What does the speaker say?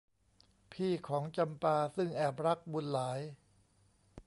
พี่ของจำปาซึ่งแอบรักบุญหลาย